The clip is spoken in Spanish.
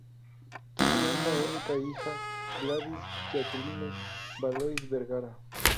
Tuvo una única hija, Gladys Jacqueline Valois Vergara.